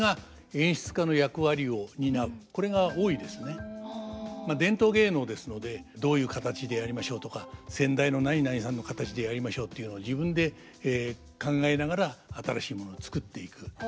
現代演劇と違ってまあ伝統芸能ですのでどういう形でやりましょうとか先代の何々さんの形でやりましょうっていうのは自分で考えながら新しいものを作っていく。